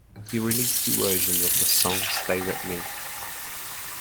He released two versions of the song "stay wit me".